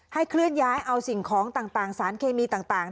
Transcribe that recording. เคลื่อนย้ายเอาสิ่งของต่างสารเคมีต่าง